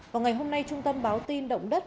vào ngày hôm nay trung tâm báo tin động đất